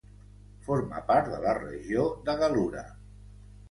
Forma part de la regió de Gal·lura.